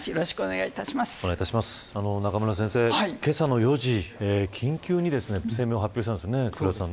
中村先生、けさの４時緊急に声明を発表されたんですね。